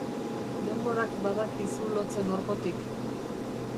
Denborak badaki zu lotzen orpotik.